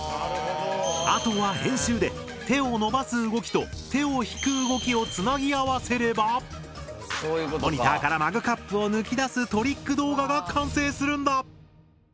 あとは編集で「手を伸ばす動き」と「手を引く動き」をつなぎ合わせればモニターからマグカップを抜き出すトリック動画が完成するんだ！